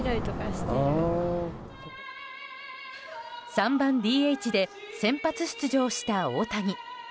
３番ＤＨで先発出場した大谷。